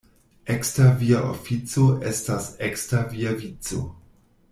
Ekster via ofico estas ekster via vico.